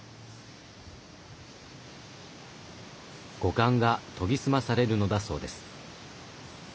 五感が研ぎ澄まされるのだそうです。